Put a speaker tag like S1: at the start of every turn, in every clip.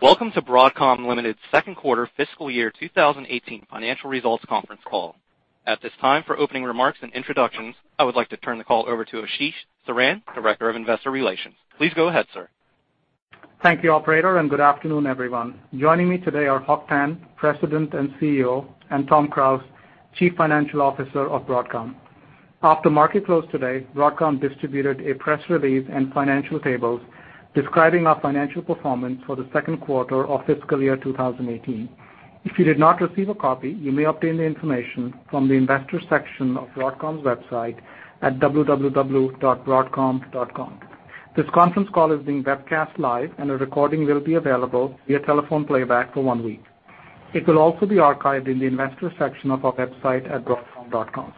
S1: Welcome to Broadcom Limited's second quarter fiscal year 2018 financial results conference call. At this time, for opening remarks and introductions, I would like to turn the call over to Ashish Saran, Director of Investor Relations. Please go ahead, sir.
S2: Thank you, operator. Good afternoon, everyone. Joining me today are Hock Tan, President and CEO, and Tom Krause, Chief Financial Officer of Broadcom. After market close today, Broadcom distributed a press release and financial tables describing our financial performance for the second quarter of fiscal year 2018. If you did not receive a copy, you may obtain the information from the investor section of Broadcom's website at www.broadcom.com. This conference call is being webcast live, and a recording will be available via telephone playback for one week. It will also be archived in the investor section of our website at broadcom.com.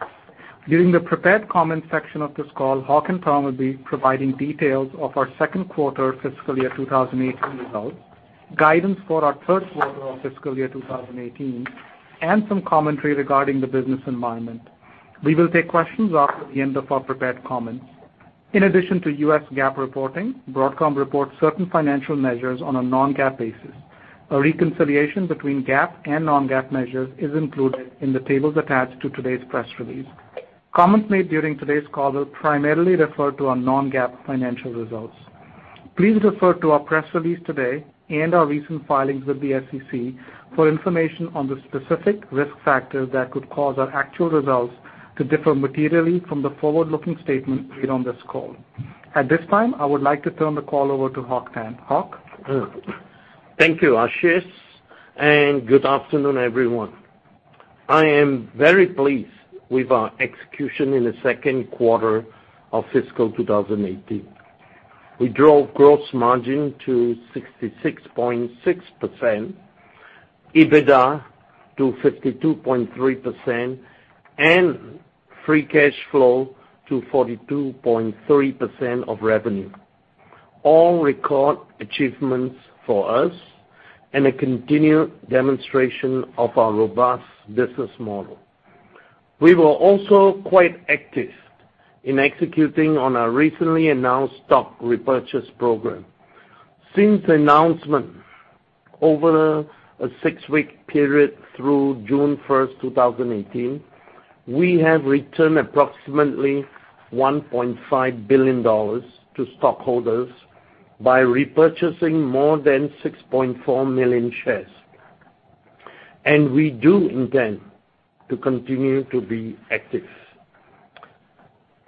S2: During the prepared comment section of this call, Hock and Tom will be providing details of our second quarter fiscal year 2018 results, guidance for our third quarter of fiscal year 2018, and some commentary regarding the business environment. We will take questions after the end of our prepared comments. In addition to U.S. GAAP reporting, Broadcom reports certain financial measures on a non-GAAP basis. A reconciliation between GAAP and non-GAAP measures is included in the tables attached to today's press release. Comments made during today's call will primarily refer to our non-GAAP financial results. Please refer to our press release today and our recent filings with the SEC for information on the specific risk factors that could cause our actual results to differ materially from the forward-looking statement made on this call. At this time, I would like to turn the call over to Hock Tan. Hock?
S3: Thank you, Ashish. Good afternoon, everyone. I am very pleased with our execution in the second quarter of fiscal 2018. We drove gross margin to 66.6%, EBITDA to 52.3%, and free cash flow to 42.3% of revenue. All record achievements for us and a continued demonstration of our robust business model. We were also quite active in executing on our recently announced stock repurchase program. Since announcement over a six-week period through June 1st, 2018, we have returned approximately $1.5 billion to stockholders by repurchasing more than 6.4 million shares. We do intend to continue to be active.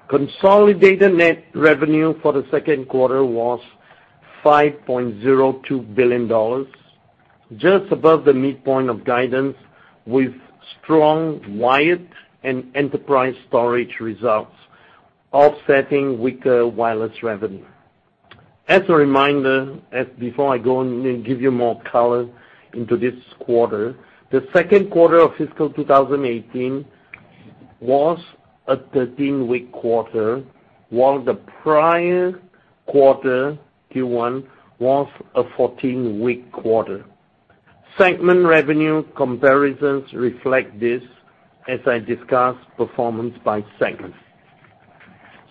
S3: Consolidated net revenue for the second quarter was $5.02 billion, just above the midpoint of guidance with strong wired and enterprise storage results offsetting weaker wireless revenue. As a reminder, before I go on and give you more color into this quarter, the second quarter of fiscal 2018 was a 13-week quarter, while the prior quarter, Q1, was a 14-week quarter. Segment revenue comparisons reflect this as I discuss performance by segment.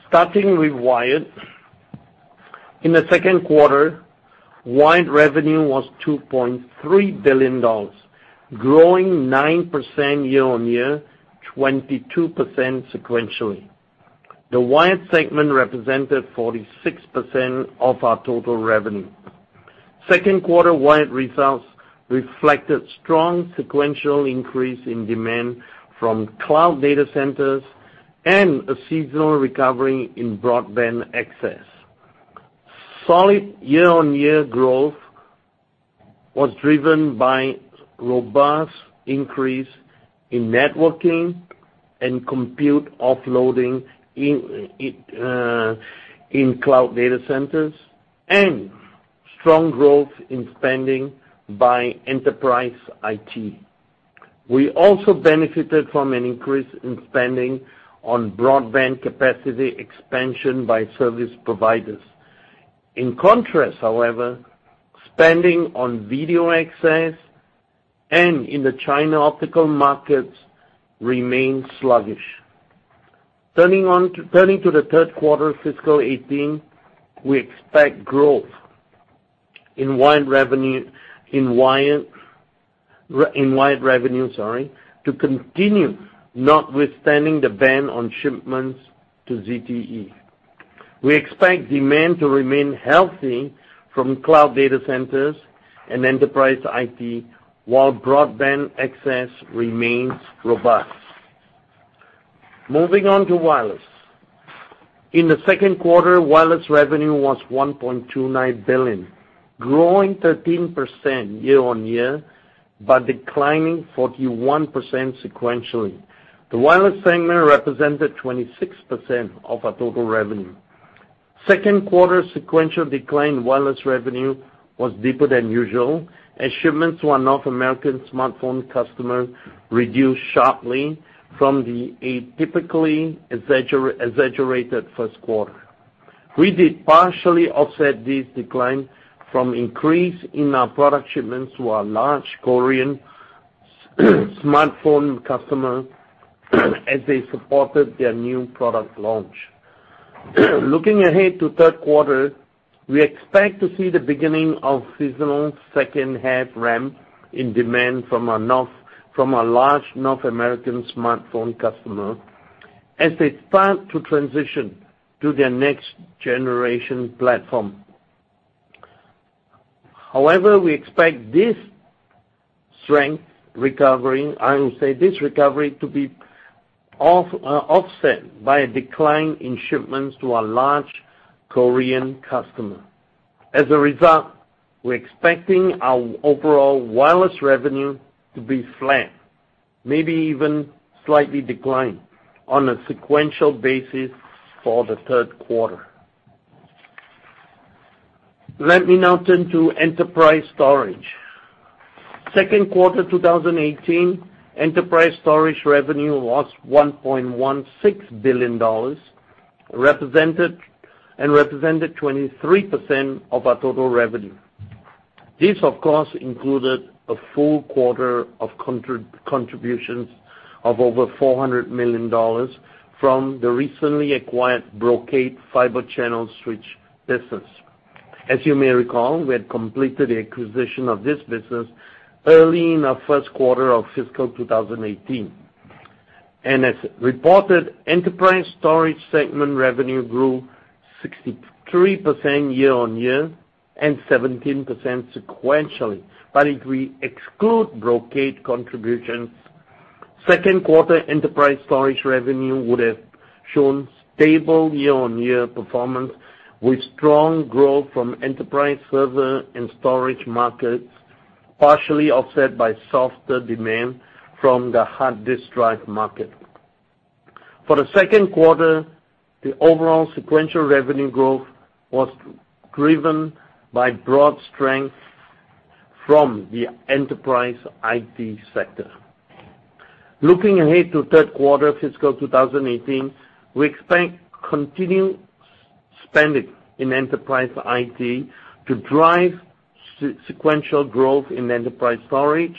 S3: Starting with wired. In the second quarter, wired revenue was $2.3 billion, growing 9% year-on-year, 22% sequentially. The wired segment represented 46% of our total revenue. Second quarter wired results reflected strong sequential increase in demand from cloud data centers and a seasonal recovery in broadband access. Solid year-on-year growth was driven by robust increase in networking and compute offloading in cloud data centers and strong growth in spending by enterprise IT. We also benefited from an increase in spending on broadband capacity expansion by service providers. In contrast, however, spending on video access and in the China optical markets remained sluggish. Turning to the third quarter of fiscal 2018, we expect growth in wired revenue to continue, notwithstanding the ban on shipments to ZTE. We expect demand to remain healthy from cloud data centers and enterprise IT while broadband access remains robust. Moving on to wireless. In the second quarter, wireless revenue was $1.29 billion, growing 13% year-on-year, but declining 41% sequentially. The wireless segment represented 26% of our total revenue. Second quarter sequential decline wireless revenue was deeper than usual as shipments to our North American smartphone customer reduced sharply from the atypically exaggerated first quarter. We did partially offset this decline from increase in our product shipments to our large Korean smartphone customer as they supported their new product launch. Looking ahead to third quarter, we expect to see the beginning of seasonal second half ramp in demand from a large North American smartphone customer as they start to transition to their next-generation platform. However, we expect this recovery to be offset by a decline in shipments to our large Korean customer. As a result, we're expecting our overall wireless revenue to be flat, maybe even slightly decline on a sequential basis for the third quarter. Let me now turn to enterprise storage. Second quarter 2018 enterprise storage revenue was $1.16 billion, and represented 23% of our total revenue. This, of course, included a full quarter of contributions of over $400 million from the recently acquired Brocade Fibre Channel switch business. As you may recall, we had completed the acquisition of this business early in our first quarter of fiscal 2018. As reported, enterprise storage segment revenue grew 63% year-on-year and 17% sequentially. If we exclude Brocade contributions, second quarter enterprise storage revenue would have shown stable year-on-year performance with strong growth from enterprise server and storage markets, partially offset by softer demand from the hard disk drive market. For the second quarter, the overall sequential revenue growth was driven by broad strength from the enterprise IT sector. Looking ahead to third quarter fiscal 2018, we expect continued spending in enterprise IT to drive sequential growth in enterprise storage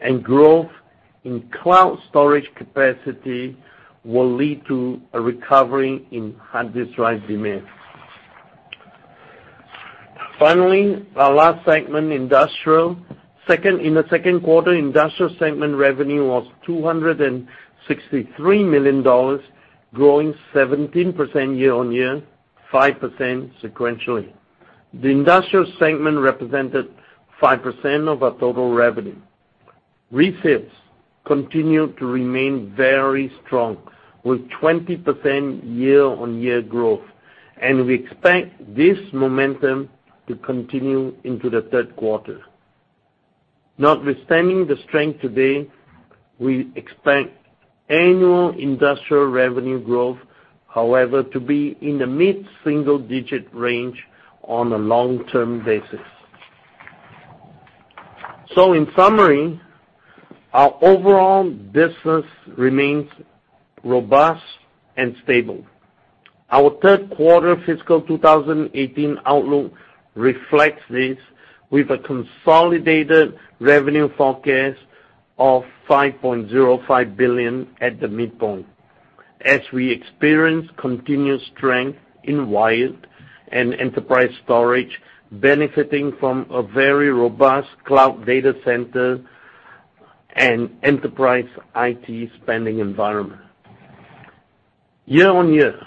S3: and growth in cloud storage capacity will lead to a recovery in hard disk drive demand. Finally, our last segment, industrial. In the second quarter, industrial segment revenue was $263 million, growing 17% year-on-year, 5% sequentially. The industrial segment represented 5% of our total revenue. Refills continued to remain very strong with 20% year-on-year growth, and we expect this momentum to continue into the third quarter. Notwithstanding the strength today, we expect annual industrial revenue growth, however, to be in the mid-single-digit range on a long-term basis. In summary, our overall business remains robust and stable. Our third quarter fiscal 2018 outlook reflects this with a consolidated revenue forecast of $5.05 billion at the midpoint. As we experience continued strength in wired and enterprise storage, benefiting from a very robust cloud data center and enterprise IT spending environment. Year-on-year,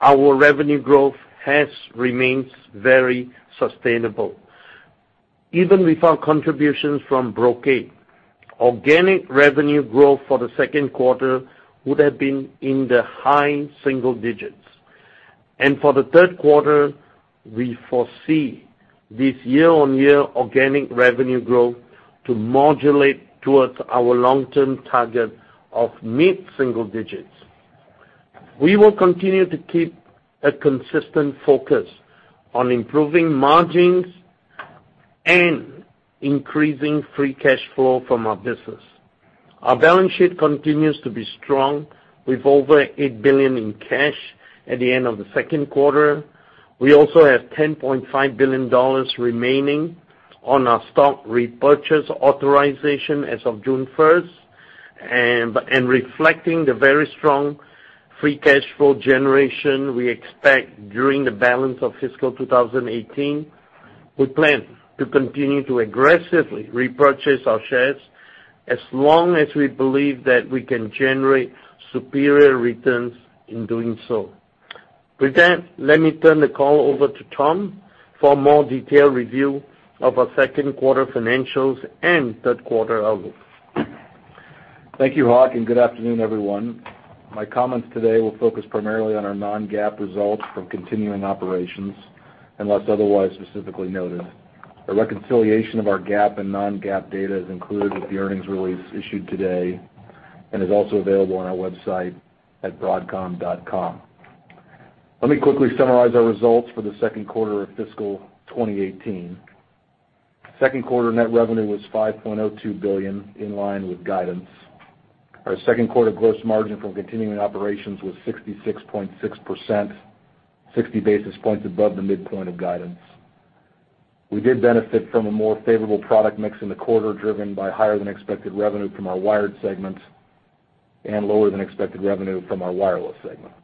S3: our revenue growth has remained very sustainable. Even without contributions from Brocade, organic revenue growth for the second quarter would have been in the high-single digits. For the third quarter, we foresee this year-on-year organic revenue growth to modulate towards our long-term target of mid-single digits. We will continue to keep a consistent focus on improving margins and increasing free cash flow from our business. Our balance sheet continues to be strong with over $8 billion in cash at the end of the second quarter. We also have $10.5 billion remaining on our stock repurchase authorization as of June 1st. Reflecting the very strong free cash flow generation we expect during the balance of fiscal 2018, we plan to continue to aggressively repurchase our shares as long as we believe that we can generate superior returns in doing so. With that, let me turn the call over to Tom for a more detailed review of our second quarter financials and third quarter outlook.
S4: Thank you, Hock, and good afternoon, everyone. My comments today will focus primarily on our non-GAAP results from continuing operations, unless otherwise specifically noted. A reconciliation of our GAAP and non-GAAP data is included with the earnings release issued today and is also available on our website at broadcom.com. Let me quickly summarize our results for the second quarter of fiscal 2018. Second quarter net revenue was $5.02 billion, in line with guidance. Our second quarter gross margin from continuing operations was 66.6%, 60 basis points above the midpoint of guidance. We did benefit from a more favorable product mix in the quarter, driven by higher than expected revenue from our wired segments and lower than expected revenue from our wireless segment.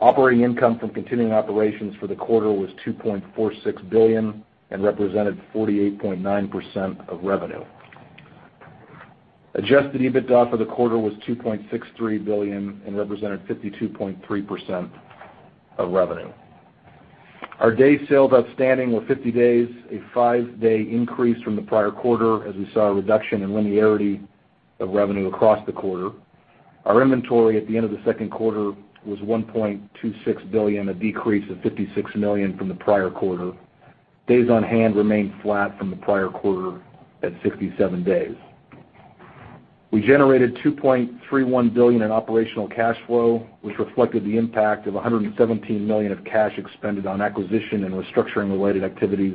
S4: Operating income from continuing operations for the quarter was $2.46 billion and represented 48.9% of revenue. Adjusted EBITDA for the quarter was $2.63 billion and represented 52.3% of revenue. Our days sales outstanding were 50 days, a five-day increase from the prior quarter, as we saw a reduction in linearity of revenue across the quarter. Our inventory at the end of the second quarter was $1.26 billion, a decrease of $56 million from the prior quarter. Days on hand remained flat from the prior quarter at 67 days. We generated $2.31 billion in operational cash flow, which reflected the impact of $117 million of cash expended on acquisition and restructuring-related activities,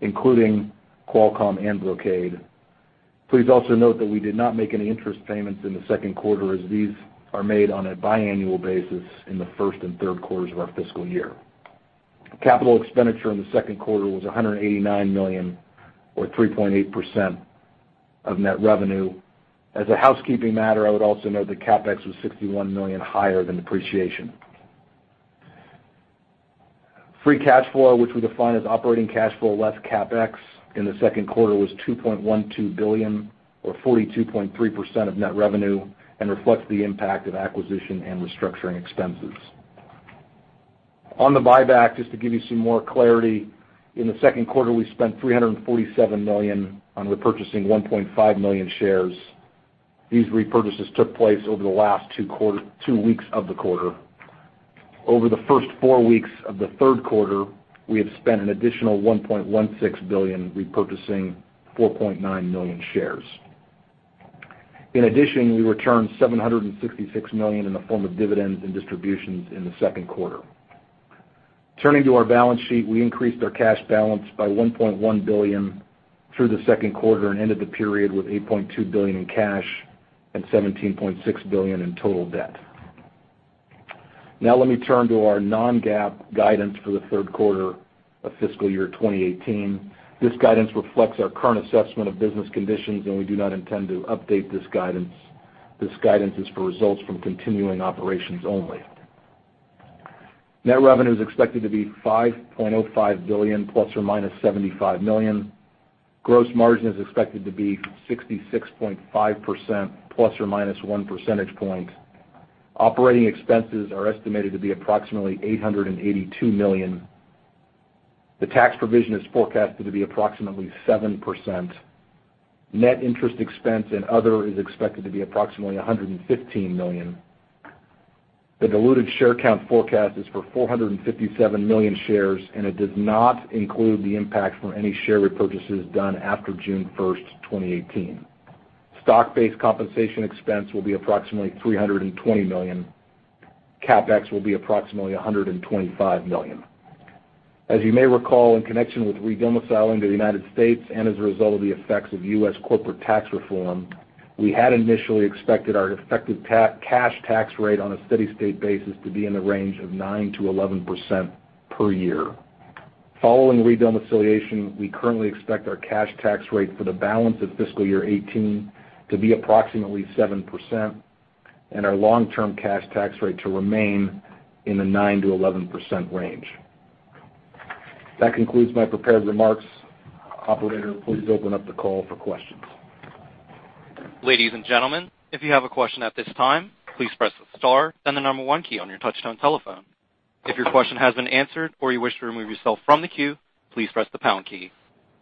S4: including Qualcomm and Brocade. Please also note that we did not make any interest payments in the second quarter, as these are made on a biannual basis in the first and third quarters of our fiscal year. Capital expenditure in the second quarter was $189 million or 3.8% of net revenue. As a housekeeping matter, I would also note that CapEx was $61 million higher than depreciation. Free cash flow, which we define as operating cash flow less CapEx, in the second quarter, was $2.12 billion or 42.3% of net revenue and reflects the impact of acquisition and restructuring expenses. On the buyback, just to give you some more clarity, in the second quarter, we spent $347 million on repurchasing 1.5 million shares. These repurchases took place over the last two weeks of the quarter. Over the first four weeks of the third quarter, we have spent an additional $1.16 billion repurchasing 4.9 million shares. In addition, we returned $766 million in the form of dividends and distributions in the second quarter. Let me turn to our non-GAAP guidance for the third quarter of fiscal year 2018. This guidance reflects our current assessment of business conditions, we do not intend to update this guidance. This guidance is for results from continuing operations only. Net revenue is expected to be $5.05 billion ±$75 million. Gross margin is expected to be 66.5% ±one percentage point. Operating expenses are estimated to be approximately $882 million. The tax provision is forecasted to be approximately 7%. Net interest expense and other is expected to be approximately $115 million. The diluted share count forecast is for 457 million shares, it does not include the impact from any share repurchases done after June 1st, 2018. Stock-based compensation expense will be approximately $320 million. CapEx will be approximately $125 million. As you may recall, in connection with re-domiciling to the U.S. and as a result of the effects of U.S. corporate tax reform, we had initially expected our effective cash tax rate on a steady-state basis to be in the range of 9%-11% per year. Following re-domiciliation, we currently expect our cash tax rate for the balance of fiscal year 2018 to be approximately 7%, and our long-term cash tax rate to remain in the 9%-11% range. That concludes my prepared remarks. Operator, please open up the call for questions.
S1: Ladies and gentlemen, if you have a question at this time, please press star then the number one key on your touch-tone telephone. If your question has been answered or you wish to remove yourself from the queue, please press the pound key.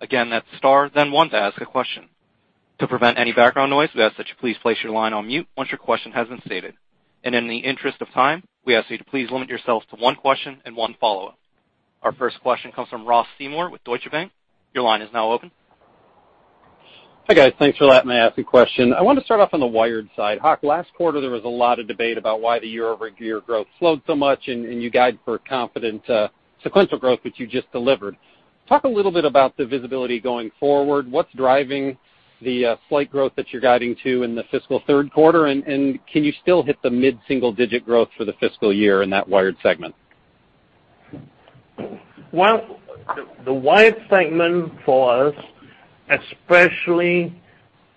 S1: Again, that's star then one to ask a question. To prevent any background noise, we ask that you please place your line on mute once your question has been stated. In the interest of time, we ask you to please limit yourself to one question and one follow-up. Our first question comes from Ross Seymore with Deutsche Bank. Your line is now open.
S5: Hi, guys. Thanks for letting me ask a question. I want to start off on the wired side. Hock, last quarter, there was a lot of debate about why the year-over-year growth slowed so much, and you guided for a confident sequential growth, which you just delivered. Talk a little bit about the visibility going forward. What's driving the slight growth that you're guiding to in the fiscal third quarter, and can you still hit the mid-single-digit growth for the fiscal year in that wired segment?
S3: Well, the wired segment for us, especially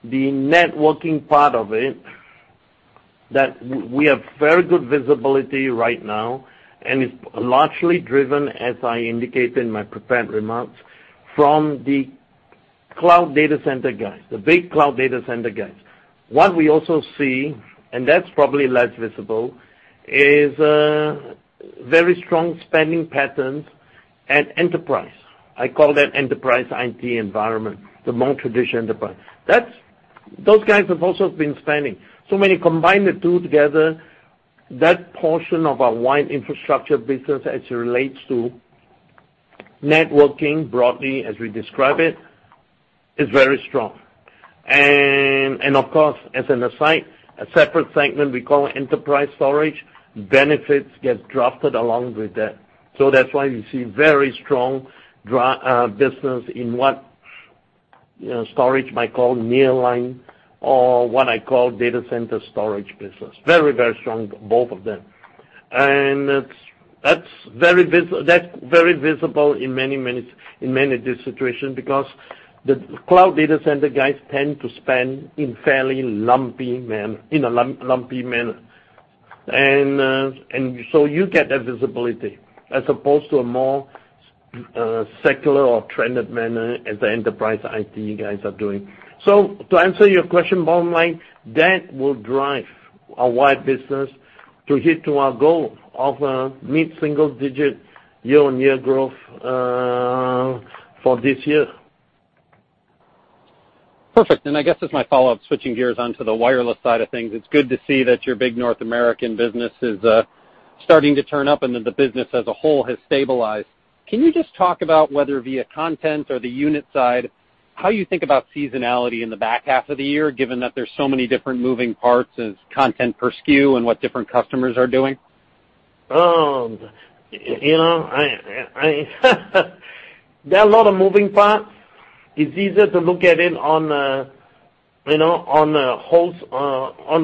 S3: the networking part of it, that we have very good visibility right now, and it's largely driven, as I indicated in my prepared remarks, from the cloud data center guys, the big cloud data center guys. What we also see, and that's probably less visible, is very strong spending patterns at enterprise. I call that enterprise IT environment, the more traditional enterprise. Those guys have also been spending. When you combine the two together, that portion of our wide infrastructure business as it relates to networking broadly as we describe it, is very strong. Of course, as an aside, a separate segment we call enterprise storage, benefits get drafted along with that. That's why you see very strong business in what storage might call nearline or what I call data center storage business. Very strong, both of them. That's very visible in many this situation, because the cloud data center guys tend to spend in a lumpy manner. You get that visibility as opposed to a more secular or trended manner as the enterprise IT guys are doing. To answer your question, bottom line, that will drive our wide business to hit to our goal of a mid-single-digit year-on-year growth for this year.
S5: Perfect. I guess as my follow-up, switching gears on to the wireless side of things, it's good to see that your big North American business is starting to turn up and that the business as a whole has stabilized. Can you just talk about whether via content or the unit side, how you think about seasonality in the back half of the year, given that there's so many different moving parts as content per SKU and what different customers are doing?
S3: There are a lot of moving parts. It's easier to look at it on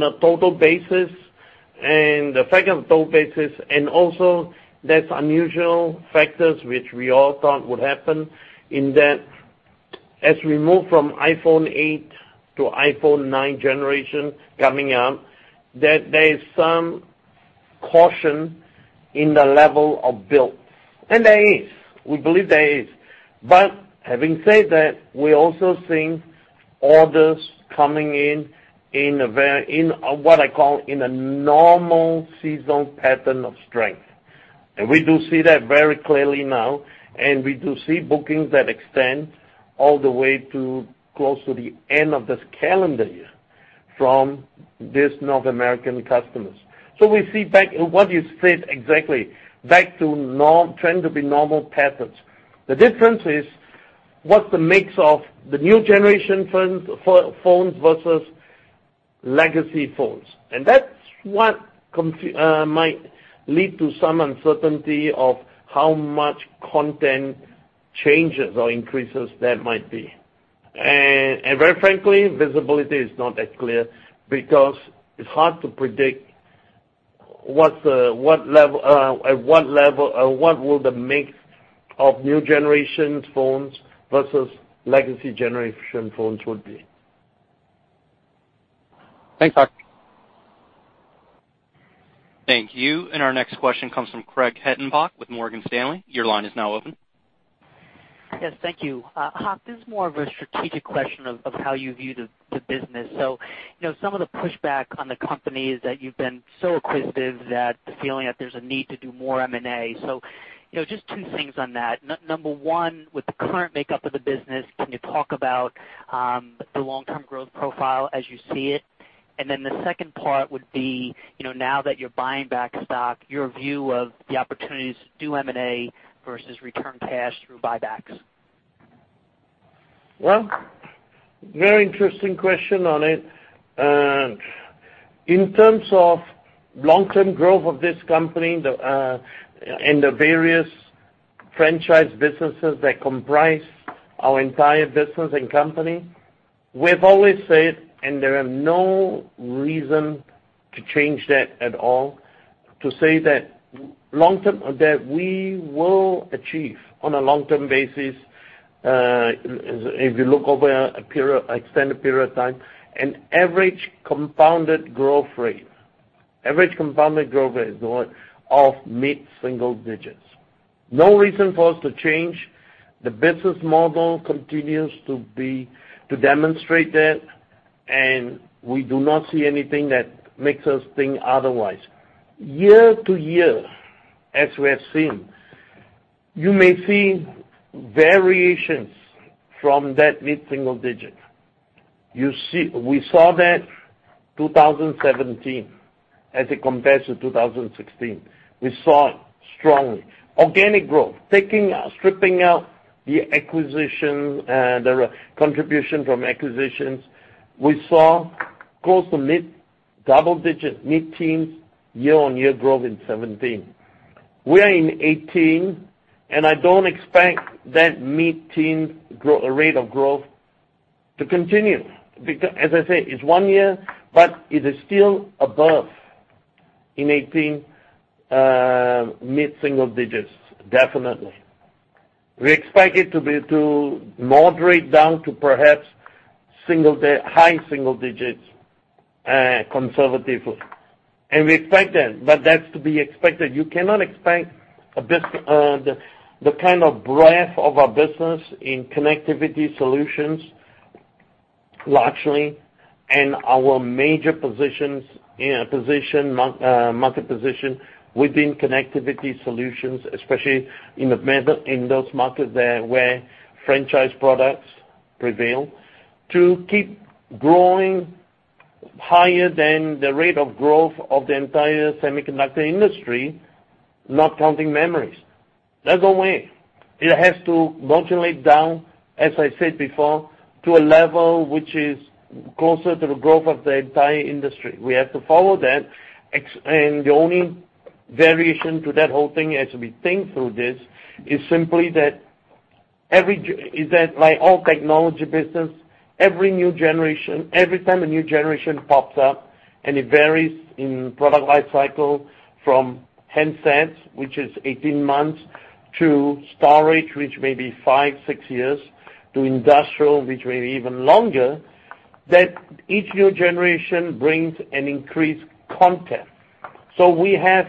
S3: a total basis and the effect of total basis. Also there's unusual factors which we all thought would happen in that as we move from iPhone 8 to iPhone 9 generation coming up, that there is some caution in the level of build. There is. We believe there is. Having said that, we're also seeing orders coming in what I call in a normal seasonal pattern of strength. We do see that very clearly now. We do see bookings that extend all the way to close to the end of this calendar year from these North American customers. We see back what you said exactly, back to trend to be normal patterns. The difference is what's the mix of the new generation phones versus legacy phones. That's what might lead to some uncertainty of how much content changes or increases there might be. Very frankly, visibility is not that clear because it's hard to predict at what level, or what will the mix of new generation phones versus legacy generation phones would be.
S5: Thanks, Hock.
S1: Thank you. Our next question comes from Craig Hettenbach with Morgan Stanley. Your line is now open.
S6: Yes, thank you. Hock, this is more of a strategic question of how you view the business. Some of the pushback on the company is that you've been so acquisitive that the feeling that there's a need to do more M&A. Just two things on that. Number 1, with the current makeup of the business, can you talk about, the long-term growth profile as you see it? The second part would be, now that you're buying back stock, your view of the opportunities to do M&A versus return cash through buybacks.
S3: Well, very interesting question on it. In terms of long-term growth of this company and the various franchise businesses that comprise our entire business and company, we've always said, and there are no reason to change that at all, to say that we will achieve on a long-term basis, if you look over an extended period of time, an average compounded growth rate of mid-single digits. No reason for us to change. The business model continues to demonstrate that, and we do not see anything that makes us think otherwise. Year-to-year, as we have seen, you may see variations from that mid-single digit. We saw that 2017 as it compares to 2016. We saw it strongly. Organic growth, stripping out the acquisition, the contribution from acquisitions. We saw close to mid-double digit, mid-teens, year-on-year growth in 2017. We are in 2018, I don't expect that mid-teen rate of growth to continue. As I said, it's one year, but it is still above in 2018, mid-single digits, definitely. We expect it to moderate down to perhaps high-single digits, conservatively. We expect that, but that's to be expected. You cannot expect the kind of breadth of our business in connectivity solutions, largely, and our major market position within connectivity solutions, especially in those markets there where franchise products prevail, to keep growing higher than the rate of growth of the entire semiconductor industry, not counting memories. There's no way. It has to modulate down, as I said before, to a level which is closer to the growth of the entire industry. We have to follow that. The only variation to that whole thing as we think through this, is simply that like all technology business, every time a new generation pops up, and it varies in product life cycle from handsets, which is 18 months, to storage, which may be five, six years, to industrial, which may be even longer, that each new generation brings an increased content. We have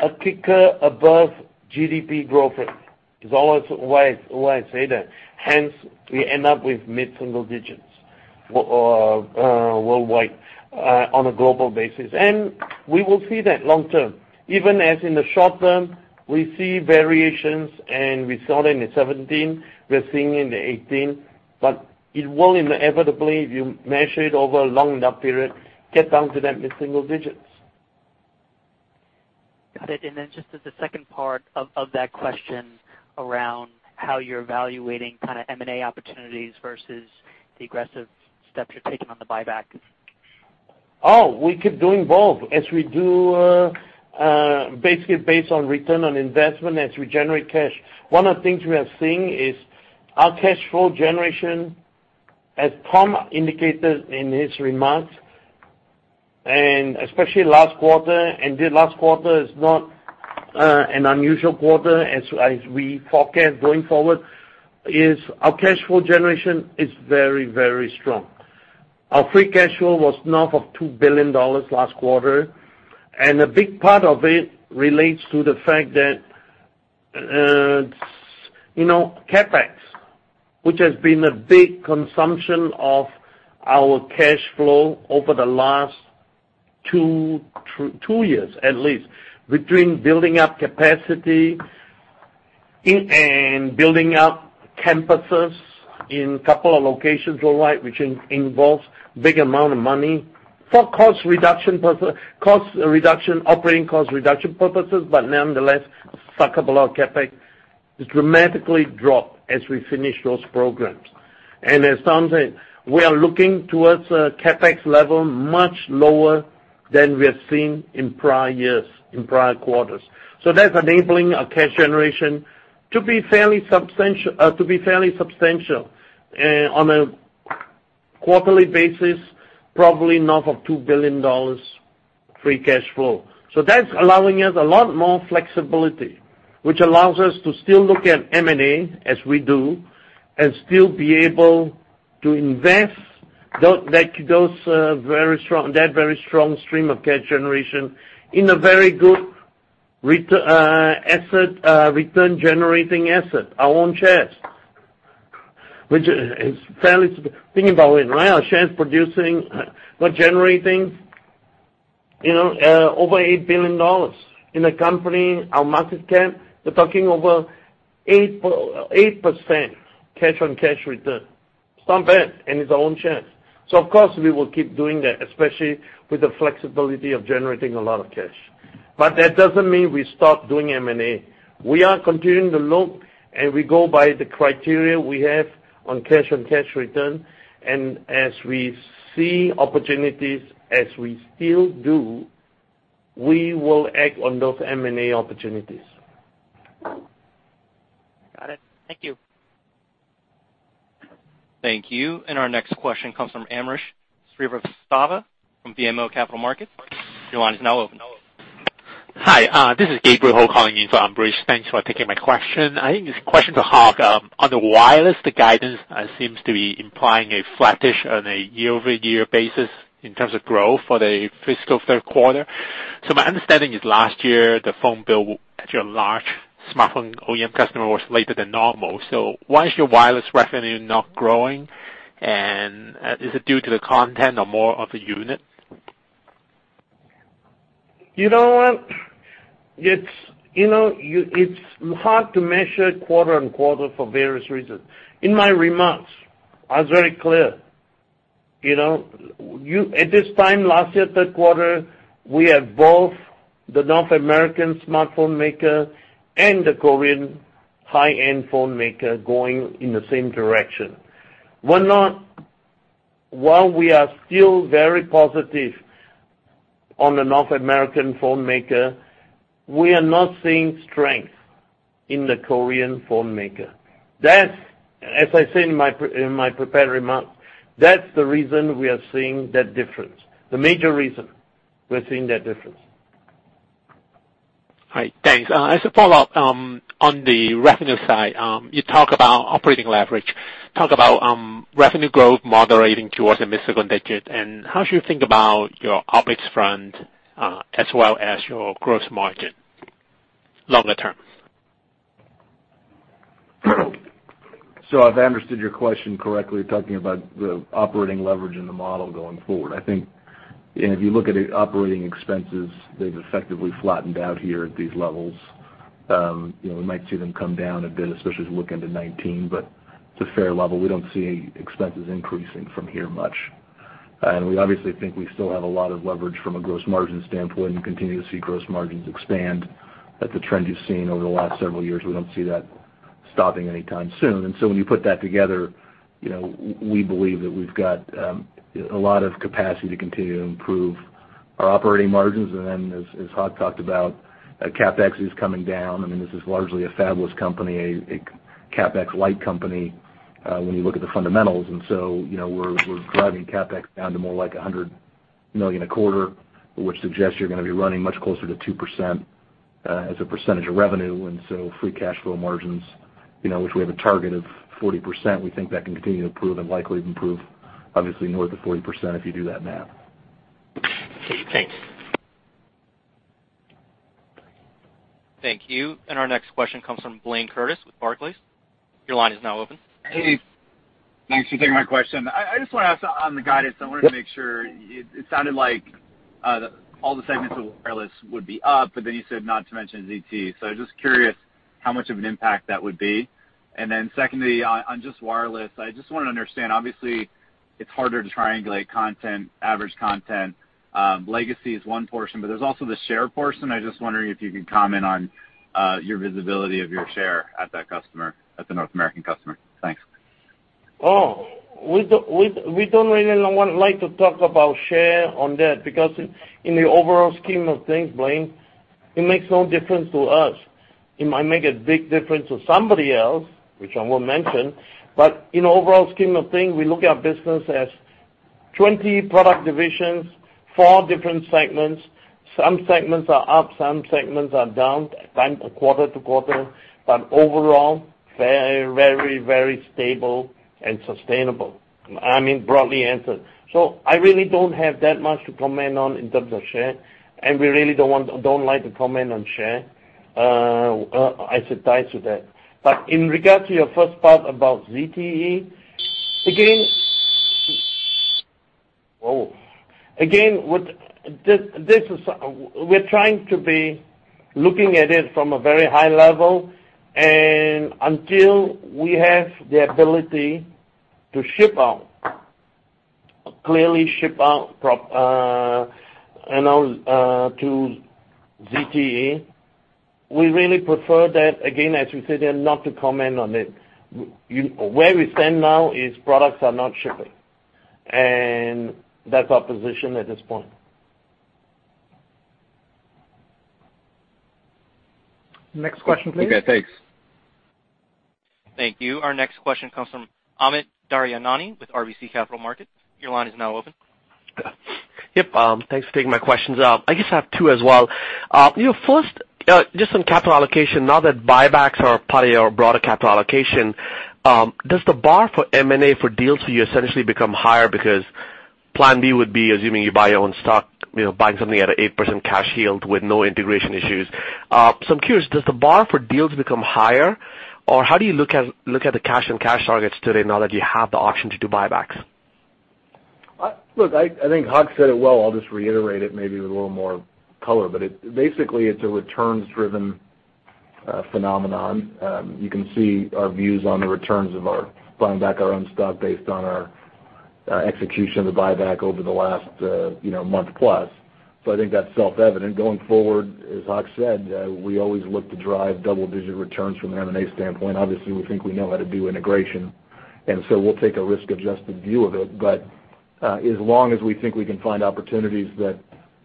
S3: a kicker above GDP growth rate, is always why I say that. Hence, we end up with mid-single digits worldwide, on a global basis. We will see that long-term, even as in the short-term we see variations, and we saw it in 2017, we're seeing it in 2018, but it will inevitably, if you measure it over a long enough period, get down to that mid-single digits.
S6: Got it. Then just as the second part of that question around how you're evaluating kind of M&A opportunities versus the aggressive steps you're taking on the buyback.
S3: We could do involved as we do basically based on return on investment as we generate cash. One of the things we are seeing is our cash flow generation, as Tom indicated in his remarks, especially last quarter. The last quarter is not an unusual quarter as we forecast going forward, our cash flow generation is very, very strong. Our free cash flow was north of $2 billion last quarter, and a big part of it relates to the fact that CapEx, which has been a big consumption of our cash flow over the last 2 years, at least, between building up capacity and building up campuses in couple of locations worldwide, which involves big amount of money for operating cost reduction purposes, but nonetheless, suck up a lot of CapEx, dramatically dropped as we finish those programs. As Tom said, we are looking towards a CapEx level much lower than we have seen in prior years, in prior quarters. That's enabling our cash generation to be fairly substantial on a quarterly basis, probably north of $2 billion free cash flow. That's allowing us a lot more flexibility, which allows us to still look at M&A as we do and still be able to invest that very strong stream of cash generation in a very good return-generating asset, our own shares. Think about it, our shares producing, we're generating over $8 billion in the company. Our market cap, we're talking over 8% cash on cash return. It's not bad, and it's our own shares. Of course, we will keep doing that, especially with the flexibility of generating a lot of cash. That doesn't mean we stop doing M&A. We are continuing to look, we go by the criteria we have on cash on cash return. As we see opportunities as we still do, we will act on those M&A opportunities.
S6: Got it. Thank you.
S1: Thank you. Our next question comes from Ambrish Srivastava from BMO Capital Markets. Your line is now open.
S7: Hi, this is Gabriel calling in for Ambrish. Thanks for taking my question. I think this question to Hock, on the wireless, the guidance seems to be implying a flattish on a year-over-year basis in terms of growth for the fiscal third quarter. My understanding is last year, the phone build at your large smartphone OEM customer was later than normal. Why is your wireless revenue not growing? Is it due to the content or more of the unit?
S3: You know what? It's hard to measure quarter and quarter for various reasons. In my remarks, I was very clear. At this time last year, third quarter, we have both the North American smartphone maker and the Korean high-end phone maker going in the same direction. While we are still very positive on the North American phone maker, we are not seeing strength in the Korean phone maker. As I said in my prepared remarks, that's the reason we are seeing that difference. The major reason we're seeing that difference.
S7: All right. Thanks. As a follow-up, on the revenue side, you talk about operating leverage, talk about revenue growth moderating towards a mid-single digit. How should you think about your OpEx front, as well as your gross margin longer term?
S4: If I understood your question correctly, talking about the operating leverage in the model going forward, I think if you look at operating expenses, they've effectively flattened out here at these levels. We might see them come down a bit, especially as we look into 2019, but it's a fair level. We don't see expenses increasing from here much. We obviously think we still have a lot of leverage from a gross margin standpoint and continue to see gross margins expand at the trend you've seen over the last several years. We don't see that stopping anytime soon. When you put that together, we believe that we've got a lot of capacity to continue to improve our operating margins. Then as Hock talked about, CapEx is coming down. I mean, this is largely a fab-less company, a CapEx-light company, when you look at the fundamentals. We're driving CapEx down to more like $100 million a quarter, which suggests you're going to be running much closer to 2% as a percentage of revenue. Free cash flow margins, which we have a target of 40%, we think that can continue to improve and likely improve, obviously north of 40% if you do that math.
S7: Okay, thanks.
S1: Thank you. Our next question comes from Blayne Curtis with Barclays. Your line is now open.
S8: Hey. Thanks for taking my question. I just want to ask on the guidance, I wanted to make sure, it sounded like all the segments of wireless would be up, but then you said not to mention ZTE. I was just curious how much of an impact that would be. Secondly, on just wireless, I just want to understand, obviously, it's harder to triangulate content, average content. Legacy is one portion, but there's also the share portion. I'm just wondering if you could comment on your visibility of your share at that customer, at the North American customer. Thanks.
S3: Oh, we don't really like to talk about share on that because in the overall scheme of things, Blayne, it makes no difference to us. It might make a big difference to somebody else, which I won't mention, but in the overall scheme of things, we look at our business as 20 product divisions, four different segments. Some segments are up, some segments are down quarter to quarter, but overall, very stable and sustainable. I mean, broadly answered. I really don't have that much to comment on in terms of share, and we really don't like to comment on share. I said dice with that. In regards to your first part about ZTE, again, we're trying to be looking at it from a very high level, and until we have the ability to clearly ship out to ZTE, we really prefer that, again, as we said, not to comment on it. Where we stand now is products are not shipping, and that's our position at this point.
S2: Next question, please. Okay, thanks.
S1: Thank you. Our next question comes from Amit Daryanani with RBC Capital Markets. Your line is now open.
S9: Yep. Thanks for taking my questions. I guess I have two as well. First, just on capital allocation, now that buybacks are part of your broader capital allocation, does the bar for M&A for deals for you essentially become higher because plan B would be assuming you buy your own stock, buying something at an 8% cash yield with no integration issues. I'm curious, does the bar for deals become higher, or how do you look at the cash and cash targets today now that you have the option to do buybacks?
S4: I think Hock said it well. I'll just reiterate it maybe with a little more color. Basically, it's a returns-driven phenomenon. You can see our views on the returns of buying back our own stock based on our execution of the buyback over the last month plus. I think that's self-evident. Going forward, as Hock said, we always look to drive double-digit returns from an M&A standpoint. Obviously, we think we know how to do integration, so we'll take a risk-adjusted view of it. As long as we think we can find opportunities that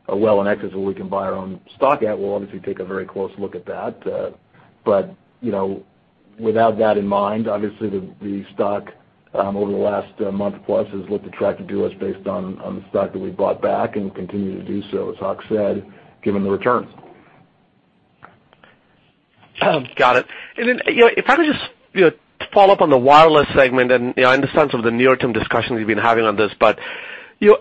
S4: are well in excess of what we can buy our own stock at, we'll obviously take a very close look at that. With that in mind, obviously the stock over the last month plus has looked attractive to us based on the stock that we bought back and continue to do so, as Hock said, given the returns.
S9: Got it. If I could just follow up on the wireless segment and I understand some of the near-term discussions you've been having on this,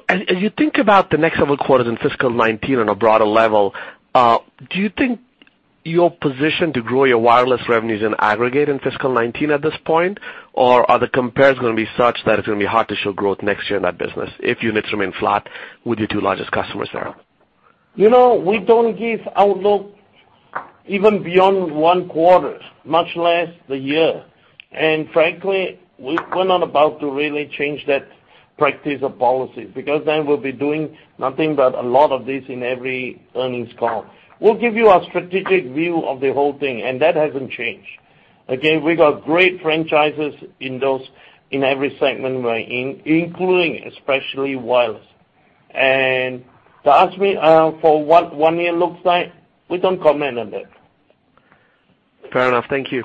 S9: as you think about the next several quarters in fiscal 2019 on a broader level, do you think you're positioned to grow your wireless revenues in aggregate in fiscal 2019 at this point? Are the compares going to be such that it's going to be hard to show growth next year in that business if units remain flat with your two largest customers there?
S3: We don't give outlook even beyond one quarter, much less the year. Frankly, we're not about to really change that practice or policy because then we'll be doing nothing but a lot of this in every earnings call. We'll give you our strategic view of the whole thing, that hasn't changed. Again, we got great franchises in every segment we're in, including especially wireless. To ask me for what one year looks like, we don't comment on that.
S9: Fair enough. Thank you.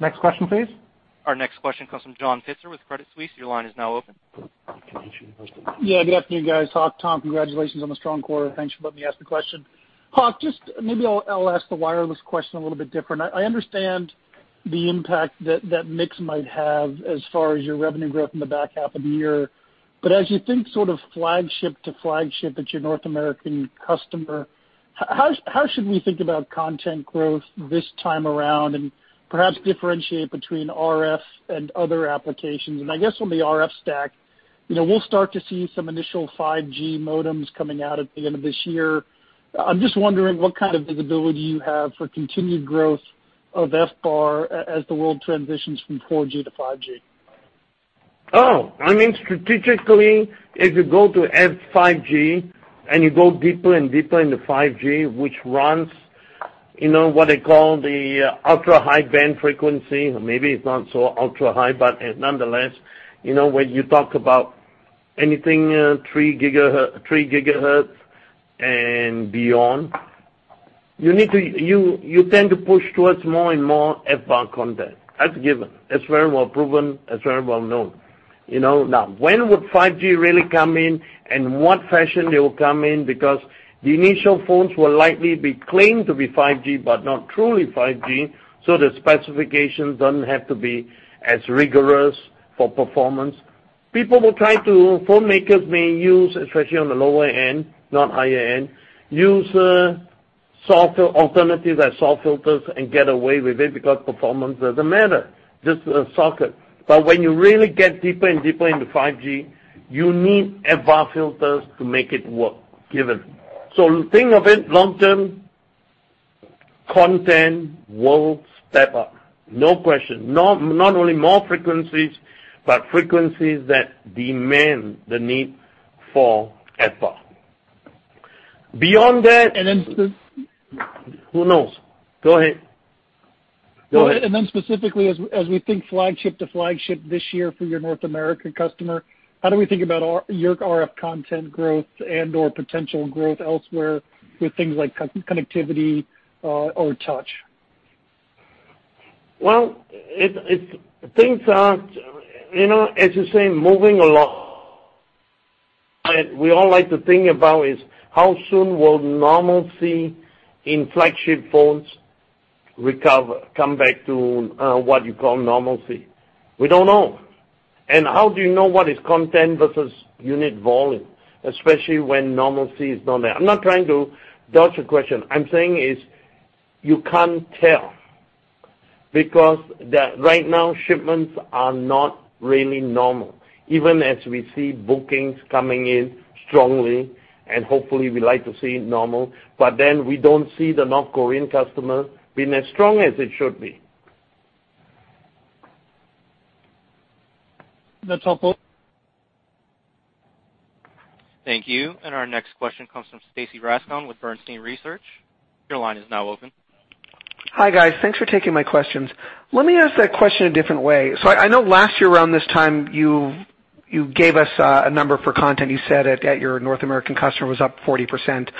S2: Next question, please.
S1: Our next question comes from John Pitzer with Credit Suisse. Your line is now open.
S10: Yeah, good afternoon, guys. Hock, Tom, congratulations on the strong quarter. Thanks for letting me ask the question. Hock, just maybe I'll ask the wireless question a little bit different. I understand the impact that mix might have as far as your revenue growth in the back half of the year, but as you think sort of flagship to flagship at your North American customer, how should we think about content growth this time around and perhaps differentiate between RF and other applications? I guess on the RF stack, we'll start to see some initial 5G modems coming out at the end of this year. I'm just wondering what kind of visibility you have for continued growth of FBAR as the world transitions from 4G to 5G.
S3: Strategically, if you go to 5G and you go deeper and deeper into 5G, which runs what they call the ultra-high-band frequency. Maybe it's not so ultra-high, nonetheless, when you talk about anything 3 gigahertz and beyond, you tend to push towards more and more FBAR content. That's given. That's very well proven, that's very well known. When would 5G really come in, and what fashion they will come in, because the initial phones will likely be claimed to be 5G, but not truly 5G, so the specifications doesn't have to be as rigorous for performance. Phone makers may use, especially on the lower end, not higher end, use alternatives like SAW filters and get away with it because performance doesn't matter. Just a socket. When you really get deeper and deeper into 5G, you need FBAR filters to make it work, given. Think of it long term, content will step up. No question. Not only more frequencies, but frequencies that demand the need for FBAR. Beyond that.
S10: And then-
S3: Who knows? Go ahead.
S10: Specifically, as we think flagship to flagship this year for your North American customer, how do we think about your RF content growth and/or potential growth elsewhere with things like connectivity or touch?
S3: Well, things are, as you say, moving along. We all like to think about is how soon will normalcy in flagship phones come back to what you call normalcy. We don't know. How do you know what is content versus unit volume, especially when normalcy is not there. I'm not trying to dodge the question. I'm saying is, you can't tell. Right now, shipments are not really normal, even as we see bookings coming in strongly, hopefully we like to see it normal, we don't see the Korean customer being as strong as it should be.
S10: [That's all for now].
S1: Thank you. Our next question comes from Stacy Rasgon with Bernstein Research. Your line is now open.
S11: Hi, guys. Thanks for taking my questions. Let me ask that question a different way. I know last year around this time, you gave us a number for content. You said that your North American customer was up 40%.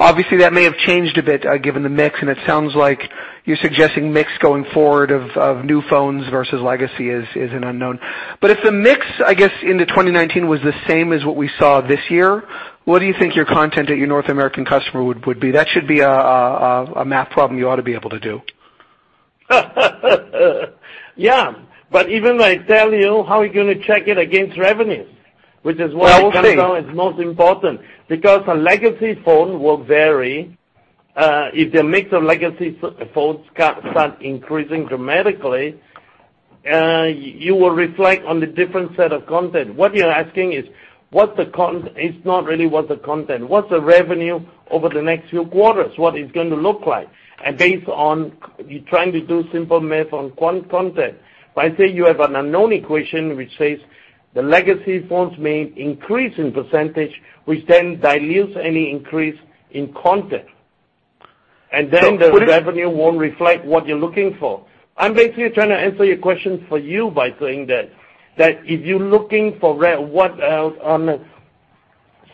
S11: Obviously, that may have changed a bit, given the mix, and it sounds like you're suggesting mix going forward of new phones versus legacy is an unknown. If the mix, I guess, into 2019 was the same as what we saw this year, what do you think your content at your North American customer would be? That should be a math problem you ought to be able to do.
S3: Yeah. Even I tell you, how are you going to check it against revenues? Which is what I-
S11: I see
S3: kind of know is most important. A legacy phone will vary. If the mix of legacy phones start increasing dramatically, you will reflect on the different set of content. What you're asking is, it's not really what the content. What's the revenue over the next few quarters? What is it going to look like? Based on you trying to do simple math on content. I say you have an unknown equation, which says the legacy phones may increase in percentage, which then dilutes any increase in content. The revenue won't reflect what you're looking for. I'm basically trying to answer your question for you by saying that if you're looking for on a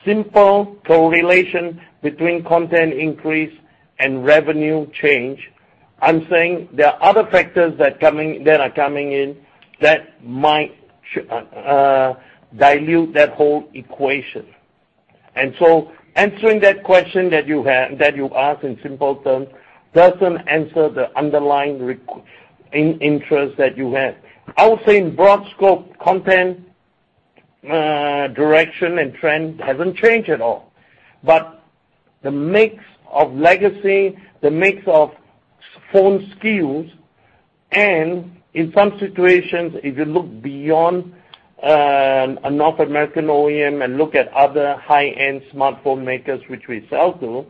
S3: simple correlation between content increase and revenue change, I'm saying there are other factors that are coming in that might dilute that whole equation. answering that question that you asked in simple terms doesn't answer the underlying interest that you have. I would say in broad scope, content direction and trend haven't changed at all. The mix of legacy, the mix of phone SKUs, and in some situations, if you look beyond a North American OEM and look at other high-end smartphone makers, which we sell to,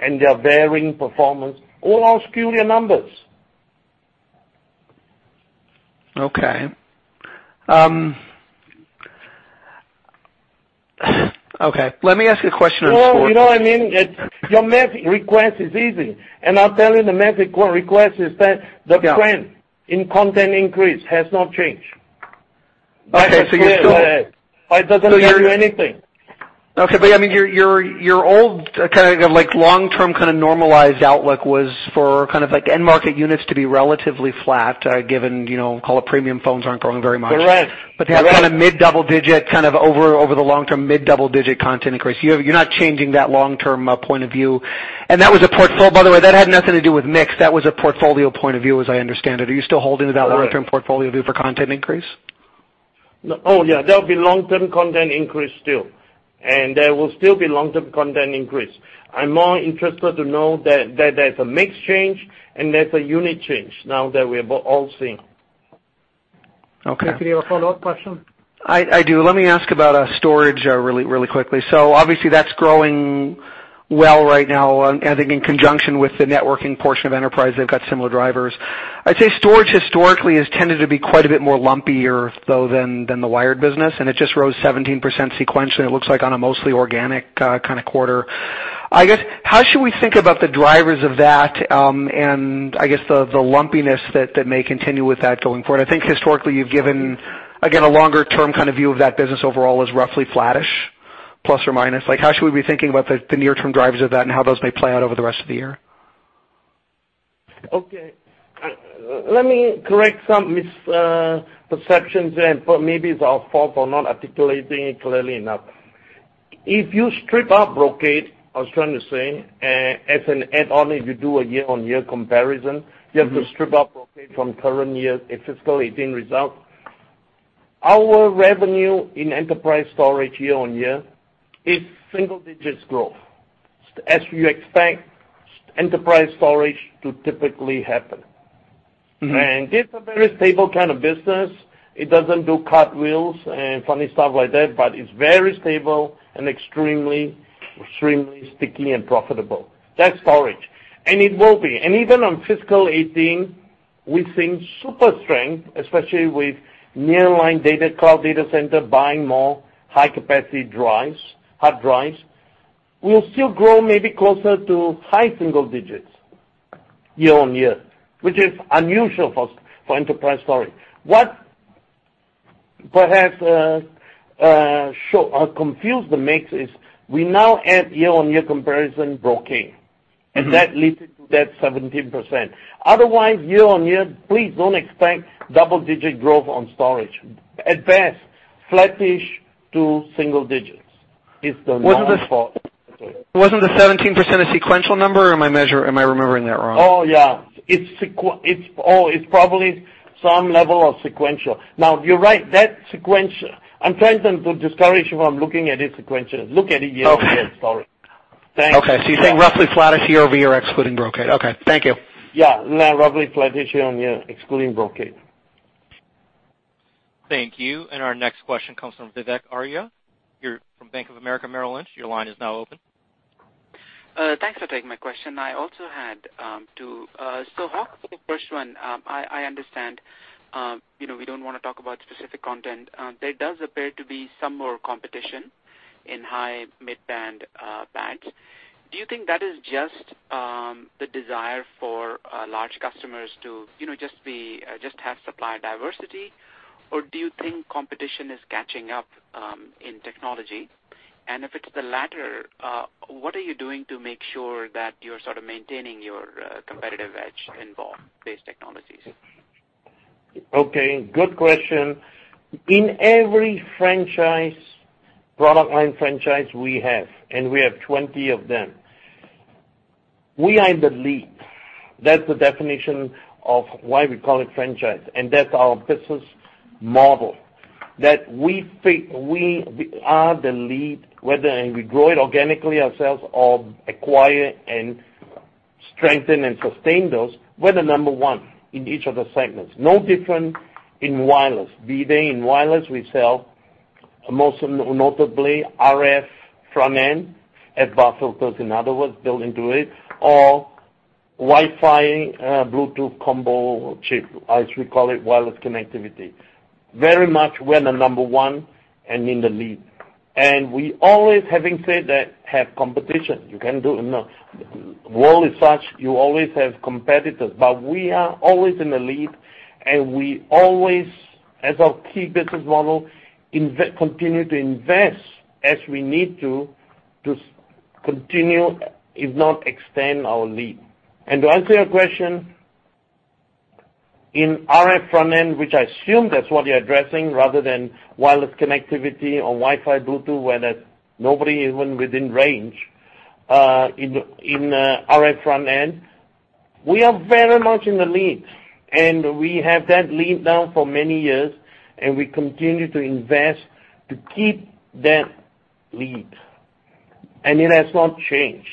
S3: and their varying performance, all our skew are numbers.
S11: Okay. Okay, let me ask you a question on storage.
S3: You know what I mean? Your math request is easy. I'll tell you the math request is that the trend in content increase has not changed.
S11: Okay. you're still-
S3: It doesn't tell you anything.
S11: Okay. Your old long-term normalized outlook was for end market units to be relatively flat, given call it premium phones aren't growing very much.
S3: Correct.
S11: They have mid-double digit over the long term, mid-double digit content increase. You're not changing that long-term point of view. By the way, that had nothing to do with mix. That was a portfolio point of view as I understand it. Are you still holding to that long-term portfolio view for content increase?
S3: Oh, yeah. There'll be long-term content increase still. There will still be long-term content increase. I'm more interested to know that there's a mix change and there's a unit change now that we're all seeing.
S10: Okay.
S3: Do you have a follow-up question?
S11: I do. Let me ask about storage really quickly. Obviously that's growing well, right now, I think in conjunction with the networking portion of enterprise, they've got similar drivers. I'd say storage historically has tended to be quite a bit more lumpier though than the wired business, and it just rose 17% sequentially, it looks like on a mostly organic kind of quarter. I guess, how should we think about the drivers of that? And I guess the lumpiness that may continue with that going forward. I think historically you've given, again, a longer-term kind of view of that business overall as roughly flattish, plus or minus. How should we be thinking about the near-term drivers of that and how those may play out over the rest of the year?
S3: Let me correct some misperceptions there, and maybe it's our fault for not articulating it clearly enough. If you strip out Brocade, I was trying to say, as an add-on, if you do a year-on-year comparison. You have to strip out Brocade from current year, a fiscal 2018 result. Our revenue in enterprise storage year-on-year is single-digit growth. As you expect enterprise storage to typically happen. It's a very stable kind of business. It doesn't do cartwheels and funny stuff like that, but it's very stable and extremely sticky and profitable. That's storage. It will be. Even on fiscal 2018, we've seen super strength, especially with nearline data, cloud data center buying more high capacity drives, hard drives. We'll still grow maybe closer to high single digits year-on-year, which is unusual for enterprise storage. What perhaps show or confuse the mix is we now add year-on-year comparison Brocade That leads to that 17%. Otherwise, year-on-year, please don't expect double-digit growth on storage. At best, flattish to single digits is the norm for storage.
S11: Wasn't the 17% a sequential number, or am I remembering that wrong?
S3: Yeah. It's probably some level of sequential. Now, you're right. I'm trying to discourage you from looking at it sequential. Look at it year-on-year.
S11: Okay.
S3: Sorry. Thanks.
S11: You're saying roughly flattish year-over-year excluding Brocade. Okay. Thank you.
S3: Yeah. Roughly flattish year-on-year, excluding Brocade.
S1: Thank you. Our next question comes from Vivek Arya. You're from Bank of America Merrill Lynch. Your line is now open.
S12: Thanks for taking my question. I also had two. Hock, the first one, I understand we don't want to talk about specific content. There does appear to be some more competition in high mid-band bands. Do you think that is just the desire for large customers to just have supply diversity, or do you think competition is catching up in technology? If it's the latter, what are you doing to make sure that you're sort of maintaining your competitive edge in both these technologies?
S3: Okay. Good question. In every franchise, product line franchise we have, and we have 20 of them, we are in the lead. That's the definition of why we call it franchise, and that's our business model. That we are the lead, whether we grow it organically ourselves or acquire and strengthen and sustain those. We're the number 1 in each of the segments. No different in wireless. Be they in wireless, we sell most notably RF front-end, FBAR filters, in other words, built into it, or Wi-Fi, Bluetooth combo chip, as we call it, wireless connectivity. Very much we're the number 1 and in the lead. We always, having said that, have competition. You can't do enough. The world is such, you always have competitors. We are always in the lead, we always, as our key business model, continue to invest as we need to continue, if not extend our lead. To answer your question, in RF front-end, which I assume that's what you're addressing, rather than wireless connectivity or Wi-Fi, Bluetooth, where there's nobody even within range. In RF front-end, we are very much in the lead, and we have that lead now for many years, and we continue to invest to keep that lead. It has not changed.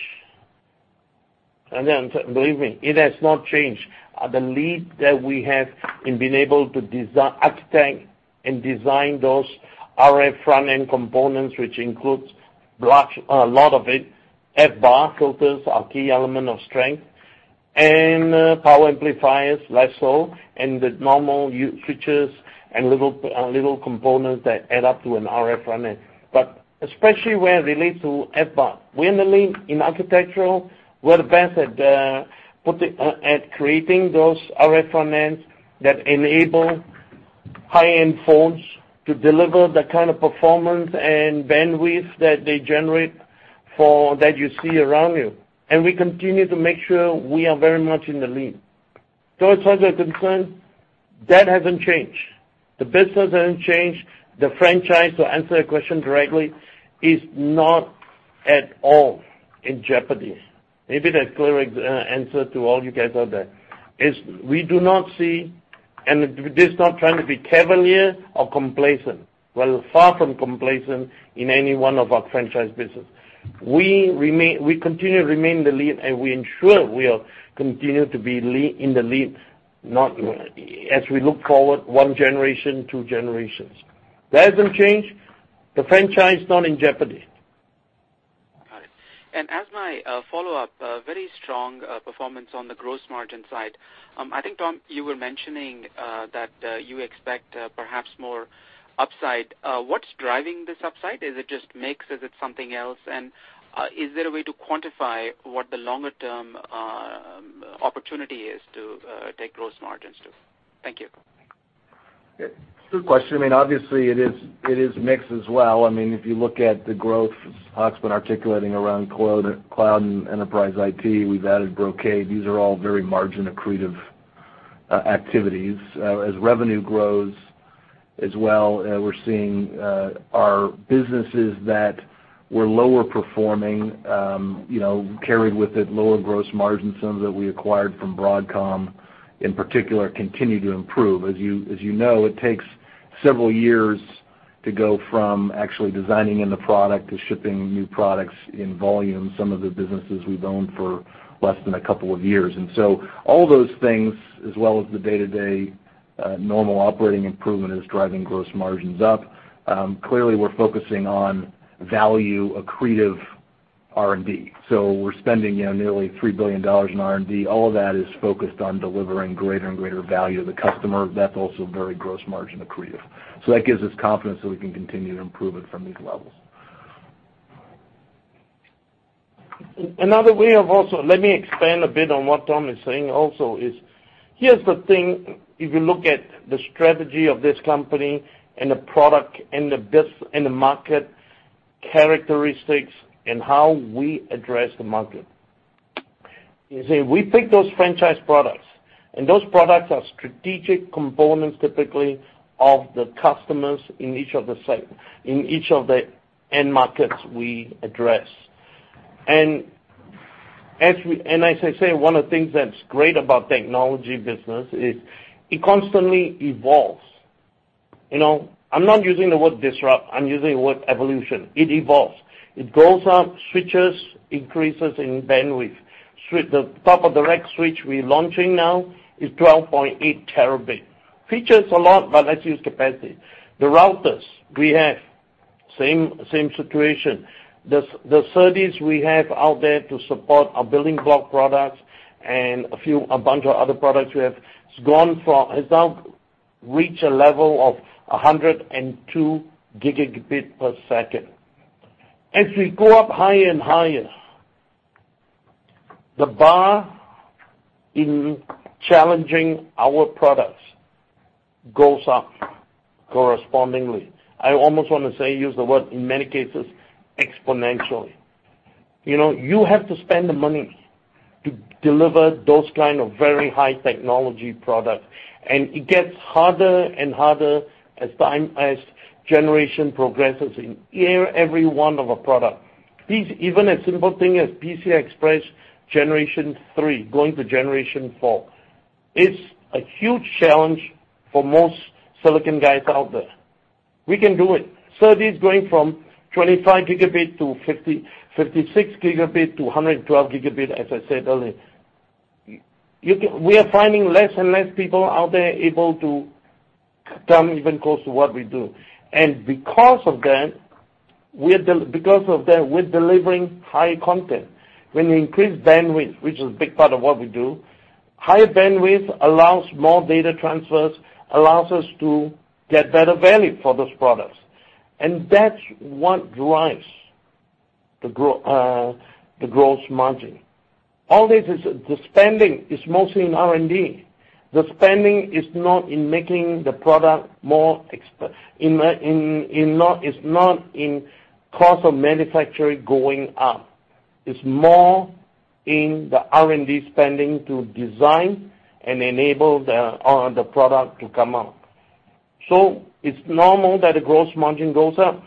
S3: Believe me, it has not changed. The lead that we have in being able to design, architect and design those RF front-end components, which includes a lot of it, FBAR filters are a key element of strength, and power amplifiers, less so, and the normal switches and little components that add up to an RF front-end. Especially where it relates to FBAR. We're in the lead in architectural. We're the best at creating those RF front-ends that enable high-end phones to deliver the kind of performance and bandwidth that they generate for that you see around you. We continue to make sure we are very much in the lead. As far as I'm concerned, that hasn't changed. The business hasn't changed. The franchise, to answer your question directly, is not at all in jeopardy. Maybe that clearly answer to all you guys out there, is we do not see, this is not trying to be cavalier or complacent. We're far from complacent in any one of our franchise business. We continue to remain in the lead, and we ensure we'll continue to be in the lead as we look forward 1 generation, 2 generations. That hasn't changed. The franchise is not in jeopardy.
S12: As my follow-up, very strong performance on the gross margin side. I think, Tom, you were mentioning that you expect perhaps more upside. What's driving this upside? Is it just mix? Is it something else? Is there a way to quantify what the longer-term opportunity is to take gross margins to? Thank you.
S4: Good question. Obviously, it is mixed as well. If you look at the growth Hock's been articulating around cloud and enterprise IT, we've added Brocade. These are all very margin-accretive activities. As revenue grows as well, we're seeing our businesses that were lower performing, carried with it lower gross margin sums that we acquired from Broadcom, in particular, continue to improve. As you know, it takes several years to go from actually designing in the product to shipping new products in volume. Some of the businesses we've owned for less than a couple of years. All those things, as well as the day-to-day normal operating improvement, is driving gross margins up. Clearly, we're focusing on value-accretive R&D. We're spending nearly $3 billion in R&D. All of that is focused on delivering greater and greater value to the customer. That's also very gross margin accretive. That gives us confidence that we can continue to improve it from these levels.
S3: Another way of also, let me expand a bit on what Tom is saying also is, here's the thing. If you look at the strategy of this company and the product and the market characteristics and how we address the market, you see, we pick those franchise products, and those products are strategic components, typically, of the customers in each of the end markets we address. As I say, one of the things that's great about technology business is it constantly evolves. I'm not using the word disrupt, I'm using the word evolution. It evolves. It goes up, switches, increases in bandwidth. The top-of-the-rack switch we're launching now is 12.8 terabit. Features a lot, but let's use capacity. The routers we have, same situation. The SERDES we have out there to support our building block products and a bunch of other products we have, has now reached a level of 102 gigabit per second. As we go up higher and higher, the bar in challenging our products goes up correspondingly. I almost want to say, use the word, in many cases, exponentially. You have to spend the money to deliver those kind of very high technology product, and it gets harder and harder as generation progresses in every one of our product. Even a simple thing as PCI Express generation 3 going to generation 4. It's a huge challenge for most silicon guys out there. We can do it. SERDES going from 25 gigabit to 56 gigabit to 112 gigabit, as I said earlier. We are finding less and less people out there able to come even close to what we do. Because of that, we're delivering high content. When we increase bandwidth, which is a big part of what we do, higher bandwidth allows more data transfers, allows us to get better value for those products. That's what drives the gross margin. All this, the spending is mostly in R&D. The spending is not in making the product; it's not in cost of manufacturing going up. It's more in the R&D spending to design and enable the product to come out. It's normal that the gross margin goes up.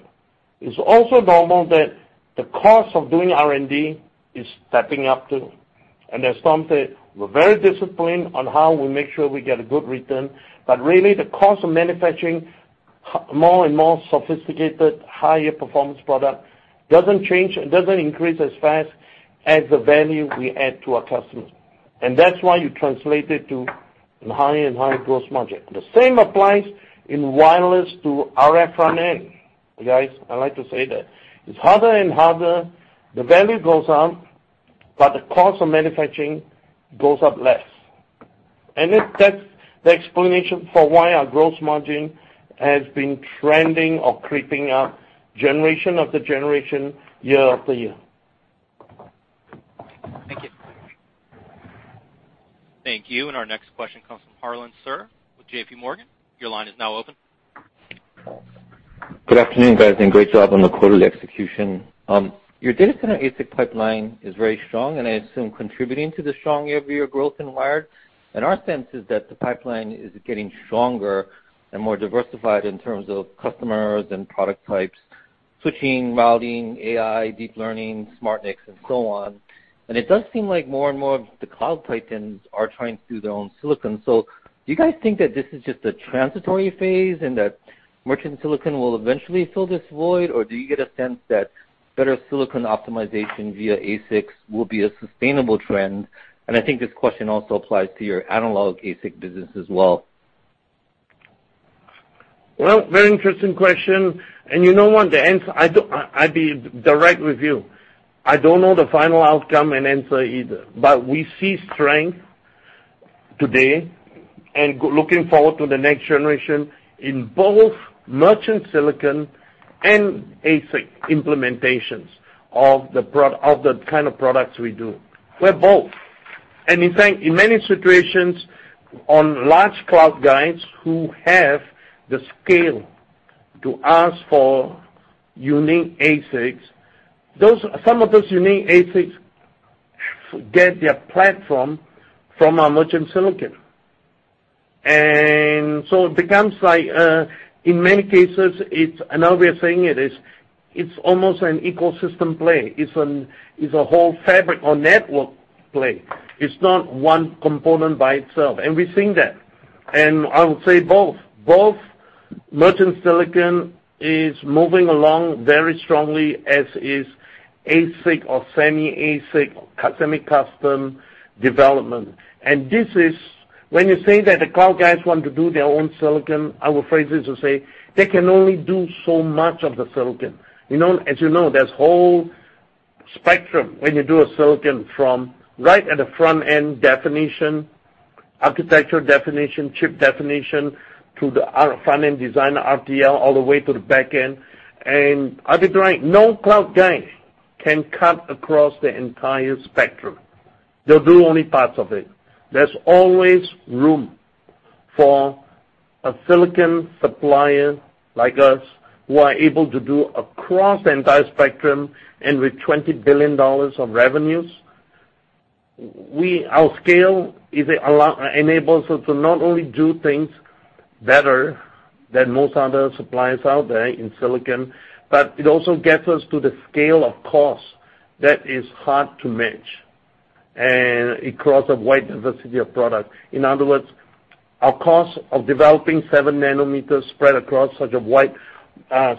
S3: It's also normal that the cost of doing R&D is stepping up, too. As Tom said, we're very disciplined on how we make sure we get a good return. But really, the cost of manufacturing more and more sophisticated, higher performance product doesn't change. It doesn't increase as fast as the value we add to our customers. That's why you translate it to higher and higher gross margin. The same applies in wireless to RF front end. Guys, I like to say that it's harder and harder. The value goes up, but the cost of manufacturing goes up less. That's the explanation for why our gross margin has been trending or creeping up generation after generation, year after year.
S12: Thank you.
S1: Thank you. Our next question comes from Harlan Sur with J.P. Morgan. Your line is now open.
S13: Good afternoon, guys, and great job on the quarterly execution. Your data center ASIC pipeline is very strong and I assume contributing to the strong year-over-year growth in wired. Our sense is that the pipeline is getting stronger and more diversified in terms of customers and product types, switching, routing, AI, deep learning, smart NICs, and so on. It does seem like more and more of the cloud titans are trying to do their own silicon. Do you guys think that this is just a transitory phase and that merchant silicon will eventually fill this void? Do you get a sense that better silicon optimization via ASICs will be a sustainable trend, and I think this question also applies to your analog ASIC business as well.
S3: Well, very interesting question. You know what? I'll be direct with you. I don't know the final outcome and answer either. We see strength today and looking forward to the next generation in both merchant silicon and ASIC implementations of the kind of products we do. We're both. In fact, in many situations on large cloud guys who have the scale to ask for unique ASICs, some of those unique ASICs get their platform from our merchant silicon. It becomes like, in many cases, and now we are saying it's almost an ecosystem play. It's a whole fabric or network play. It's not one component by itself. We're seeing that. I would say both. Both merchant silicon is moving along very strongly, as is ASIC or semi-ASIC, semi-custom development. When you say that the cloud guys want to do their own silicon, I would phrase it to say they can only do so much of the silicon. As you know, there's a whole spectrum when you do a silicon from right at the front end definition, architecture definition, chip definition, to the front-end design RTL, all the way to the back end. And other drawing, no cloud guy can cut across the entire spectrum. They'll do only parts of it. There's always room for a silicon supplier like us who are able to do across the entire spectrum and with $20 billion of revenues. Our scale enables us to not only do things better than most other suppliers out there in silicon, but it also gets us to the scale of cost that is hard to match and across a wide diversity of product. In other words, our cost of developing seven nanometers spread across such a wide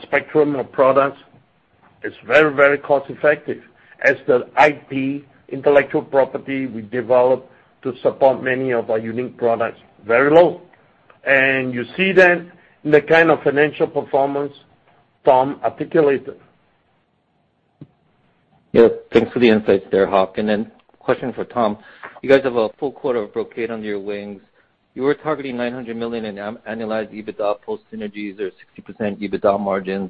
S3: spectrum of products is very cost effective as the IP, intellectual property, we developed to support many of our unique products, very low. You see that in the kind of financial performance Tom articulated.
S13: Yeah. Thanks for the insights there, Hock. Then question for Tom. You guys have a full quarter of Brocade under your wings. You were targeting $900 million in annualized EBITDA post synergies or 60% EBITDA margins.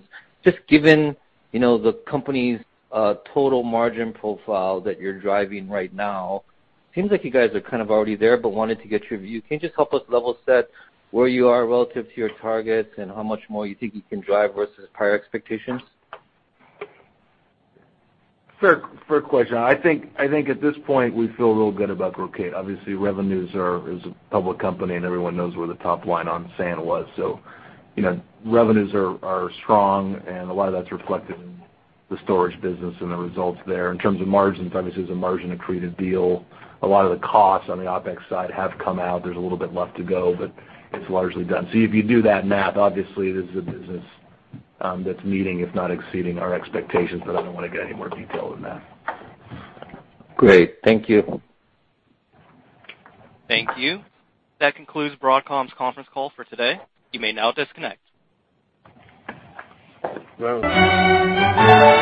S13: Given the company's total margin profile that you're driving right now, seems like you guys are kind of already there, but wanted to get your view. Can you just help us level set where you are relative to your targets and how much more you think you can drive versus prior expectations?
S4: Fair question. I think at this point, we feel real good about Brocade. Obviously, revenues are. It's a public company, and everyone knows where the top line on SAN was. Revenues are strong, and a lot of that's reflected in the storage business and the results there. In terms of margins, obviously, it was a margin-accretive deal. A lot of the costs on the OpEx side have come out. There's a little bit left to go, but it's largely done. If you do that math, obviously, it is a business that's meeting, if not exceeding our expectations, but I don't want to get any more detailed than that.
S13: Great. Thank you.
S1: Thank you. That concludes Broadcom's conference call for today. You may now disconnect.
S3: Well done.